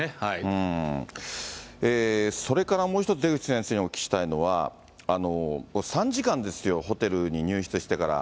それからもう一つ、出口先生にお聞きしたいのは、３時間ですよ、ホテルに入室してから。